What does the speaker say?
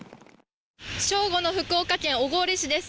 正午の福岡県小郡市です。